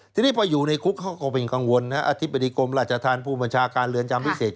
ทีนี้พออยู่ในคุกเขาก็เป็นกังวลนะอธิบดีกรมราชธรรมผู้บัญชาการเรือนจำพิเศษ